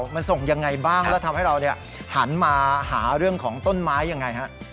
มันส่งยังไงบ้างแล้วทำให้เราหันมาหาเรื่องของต้นไม้ยังไงฮะ